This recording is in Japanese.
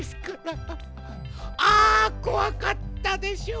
あこわかったでしょう。